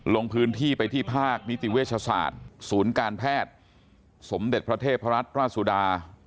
ลงพื้นที่ไปที่ภาคนิติเวชศาสตร์ศูนย์การแพทย์สมเด็จพระเทพรัตนราชสุดา